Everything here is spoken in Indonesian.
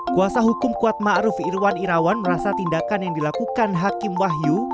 kuasa hukum kuat ma'ruf irwan irawan merasa tindakan yang dilakukan hakim wahyu